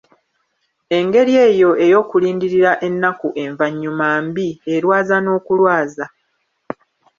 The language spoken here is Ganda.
Engeri eyo ey'okulindirira ennaku envannyuma, mbi, erwaza n'okulwaza.